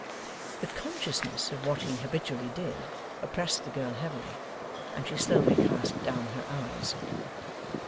The consciousness of what he habitually did, oppressed the girl heavily, and she slowly cast down her eyes.